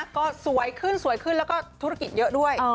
ก็สวยขึ้นแล้วก็ธุรกิจเยอะด้วย